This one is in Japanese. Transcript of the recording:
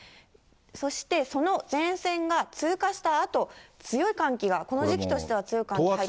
そしてその前線が通過したあと、強い寒気が、この時期としては強い寒気入ってきます。